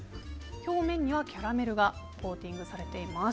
表面にはキャラメルがコーティングされています。